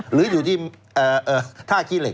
หรืออยู่ที่ท่าขี้เหล็